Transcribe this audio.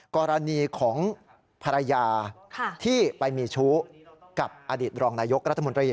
กรณีของภรรยาที่ไปมีชู้กับอดีตรองนายกรัฐมนตรี